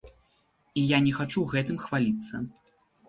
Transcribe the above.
І я не хачу гэтым хваліцца.